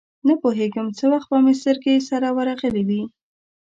نپوهېږم څه وخت به مې سترګې سره ورغلې وې.